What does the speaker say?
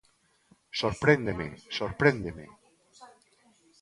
Sorpréndeme, sorpréndeme.